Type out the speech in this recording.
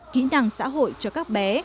kỹ năng xã hội cho các bé